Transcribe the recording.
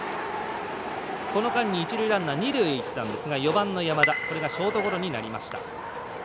この間に一塁ランナー二塁へいったんですが４番の山田ショートゴロになりました。